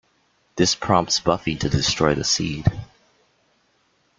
This prompts Buffy to destroy the Seed.